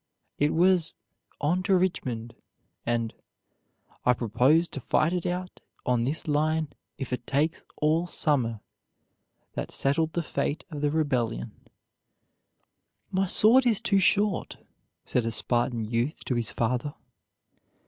It was "On to Richmond," and "I propose to fight it out on this line if it takes all summer," that settled the fate of the Rebellion. "My sword is too short," said a Spartan youth to his father.